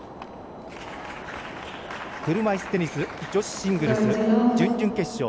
車いすテニス女子シングルス準々決勝。